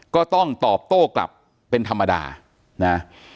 ก็ต้องตอบโต้กลับเป็นธรรมดานะ